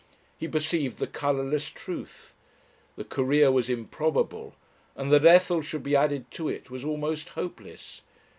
He perceived the colourless truth; the Career was improbable, and that Ethel should be added to it was almost hopeless.